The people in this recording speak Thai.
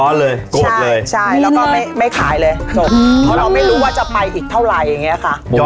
หมดเลยใช่แล้วก็ไม่ขายเลยเพราะเราไม่รู้ว่าจะไปอีกเท่าไหร่อย่างเงี้ยค่ะ